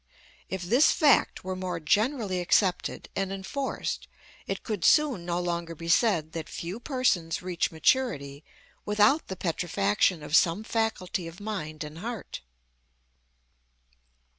If this fact were more generally accepted and enforced it could soon no longer be said that few persons reach maturity without the petrifaction of some faculty of mind and heart.